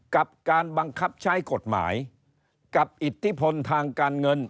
กับการบังคับใช้กฎหมายกับอิทธิพลทางการเงิน